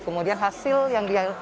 kemudian hasil yang dia